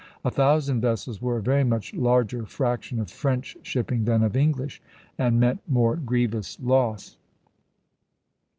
A thousand vessels were a very much larger fraction of French shipping than of English, and meant more grievous loss.